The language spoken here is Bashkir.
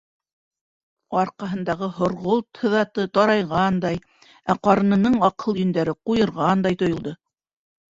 Арҡаһындағы һорғолт һыҙаты тарайғандай, ә ҡарынының аҡһыл йөндәре ҡуйырғандай тойолдо.